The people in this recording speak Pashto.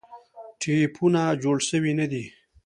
ټپونه جوړ سوي نه دي.